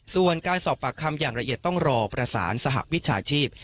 ส่วนการสอบปากคำอย่างละเอียดต้องรอประสานสหวิชาชีพ